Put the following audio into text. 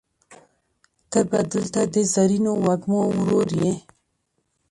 ته به دلته د زرینو وږمو ورور یې